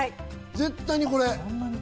絶対にこれ！